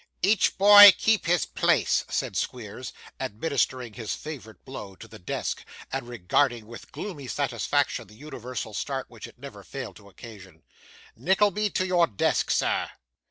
'Each boy keep his place,' said Squeers, administering his favourite blow to the desk, and regarding with gloomy satisfaction the universal start which it never failed to occasion. 'Nickleby! to your desk, sir.